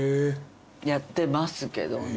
やってますけどね。